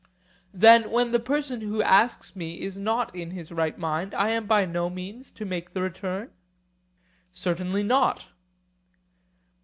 Then when the person who asks me is not in his right mind I am by no means to make the return? Certainly not.